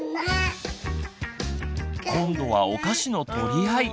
今度はお菓子の取り合い。